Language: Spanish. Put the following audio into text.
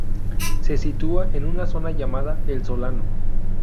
Se sitúa en una zona llamada El Solano.